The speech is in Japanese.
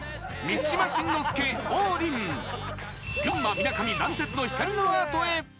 群馬みなかみ残雪の光のアートへ